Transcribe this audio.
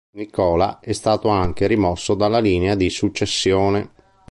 Nicola è stato anche rimosso dalla linea di successione.